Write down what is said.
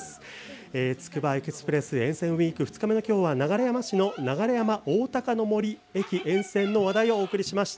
つくばエクスプレス沿線ウイーク、２日目のきょうは流山市の流山おおたかの森駅沿線の話題をお送りしました。